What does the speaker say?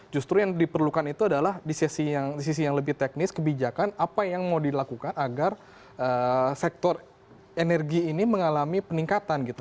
justru yang diperlukan itu adalah di sisi yang lebih teknis kebijakan apa yang mau dilakukan agar sektor energi ini mengalami peningkatan gitu